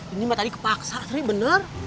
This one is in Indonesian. ini mah tadi kepaksa sri bener